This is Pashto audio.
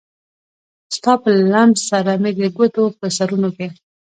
ستا په لمس سره مې د ګوتو په سرونو کې